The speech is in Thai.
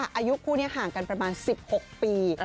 อายุคู่นี้ห่างกันประมาณ๑๖ปี